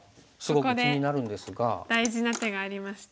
ここで大事な手がありまして。